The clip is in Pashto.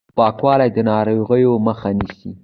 پاکوالی د ناروغیو مخه نیسي